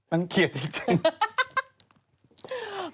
อังเกียจจริง